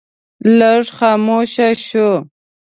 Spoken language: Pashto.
لږ خاموشه شو.